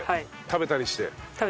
食べたりして。